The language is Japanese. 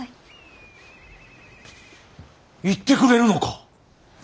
行ってくれるのか。